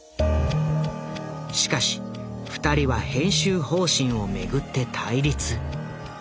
しかし二人は編集方針を巡って対立。